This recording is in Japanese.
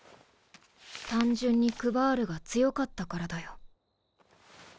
単純にクヴァールが強かったからだよ。